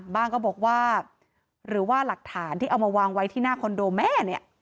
ก็บอกว่าหรือว่าหลักฐานที่เอามาวางไว้ที่หน้าคอนโดแม่เนี่ย